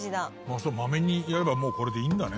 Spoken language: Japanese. まめにやればもうこれでいいんだね。